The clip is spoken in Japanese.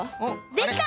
できた！